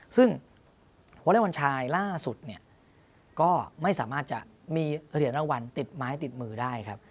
ซึ่งวอเล็กบอลชายล่าสุดเนี่ยก็ไม่สามารถจะมีเหรียญรางวัลติดไม้ติดมือได้ครับ